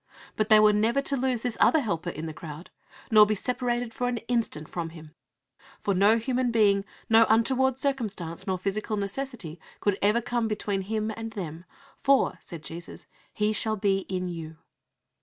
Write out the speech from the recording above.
But they were never to lose this other Helper in the crowd, nor be separated for an instant from Him, for no human being, nor untoward circumstance, nor physical necessity, could ever come between Him and them, for, said Jesus, "He shall be in you."